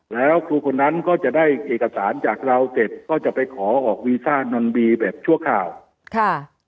แล้วครูคนนั้นก็จะได้เอกสารจากเราเสร็จก็จะไปขอออกวีซ่านนบีแบบชั่วคราวค่ะ